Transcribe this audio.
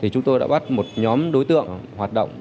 chúng tôi đã bắt một nhóm đối tượng hoạt động